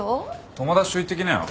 友達と行ってきなよ。